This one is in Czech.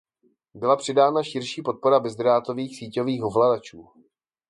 Byla přidána širší podpora bezdrátových síťových ovladačů.